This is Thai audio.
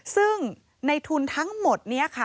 ซึ่งในทุนทั้งหมดนี้ค่ะ